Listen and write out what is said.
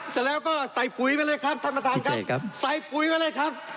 เสร็จแล้วก็ใส่ปุ๋ยไปเลยครับท่านประธานครับใส่ปุ๋ยไว้เลยครับ